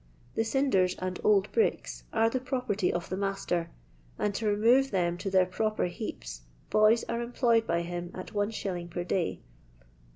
The ehders and old bricks are the property of the master, and to remove them to their pitper heaps boys are em ployed by him at Is. per day.